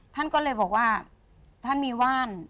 ท่านก็เลยบอกว่าท่านมีว่าน